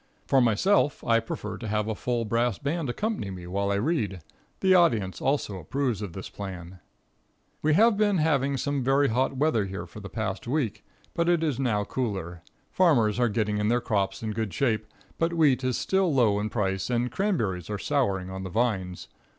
For myself, I prefer to have a full brass band accompany me while I read. The audience also approves of this plan. [Illustration: THE ACCOMPANIMENT.] We have been having some very hot weather here for the past week, but it is now cooler. Farmers are getting in their crops in good shape, but wheat is still low in price, and cranberries are souring on the vines.